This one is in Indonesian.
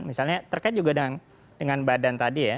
misalnya terkait juga dengan badan tadi ya